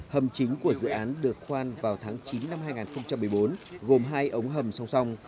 hầm chính của dự án được khoan vào tháng chín năm hai nghìn một mươi bốn gồm hai ống hầm song song